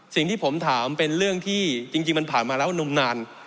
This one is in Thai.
สิ่งที่ผมถามเป็นเรื่องที่จริงมันผ่านมาแล้วนมนาน